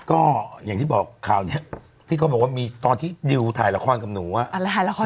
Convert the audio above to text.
ก็อย่างที่บอกข่าวนี้ที่เขาบอกว่ามีตอนที่ดิวถ่ายละครกับหนูอ่ะ